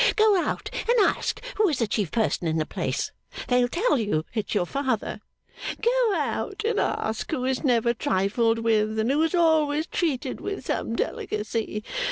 Go out and ask who is the chief person in the place. They'll tell you it's your father. Go out and ask who is never trifled with, and who is always treated with some delicacy.